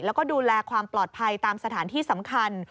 แล้วก็ดูแลความปลอดภัยตามสถานที่สำคัญ